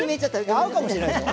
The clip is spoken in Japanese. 合うかもしれないですよ。